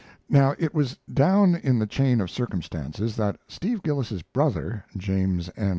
Now, it was down in the chain of circumstances that Steve Gillis's brother, James N.